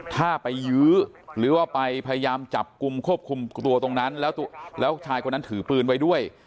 ถ้าไปยื้อหรือว่าไปพยายามจับกลุ่มควบคุมตัวตรงนั้นแล้วชายคนนั้นถือปืนไว้ด้วย